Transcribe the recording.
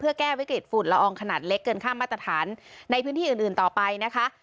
เพื่อแก้วิกฤตฝุ่นละอองขนาดเล็กเกินข้ามมาตรฐานในพื้นที่อื่นต่อไปนะคะ